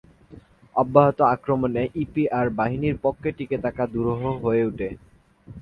অব্যাহত আক্রমণে ইপিআর বাহিনীর পক্ষে টিকে থাকা দুরূহ হয়ে ওঠে।